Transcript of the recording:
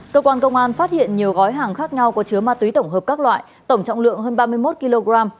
cơ quan công an phát hiện nhiều gói hàng khác nhau có chứa ma túy tổng hợp các loại tổng trọng lượng hơn ba mươi một kg